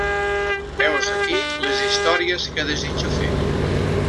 Heus aquí les històries que desitjo fer.